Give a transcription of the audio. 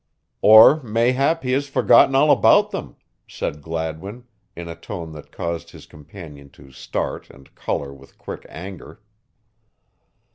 "Or mayhap he has forgotten all about them," said Gladwin, in a tone that caused his companion to start and color with quick anger.